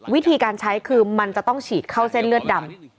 วิธีการใช้คือมันจะต้องฉีดเข้าเส้นเลือดดำ